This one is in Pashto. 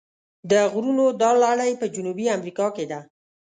د غرونو دا لړۍ په جنوبي امریکا کې ده.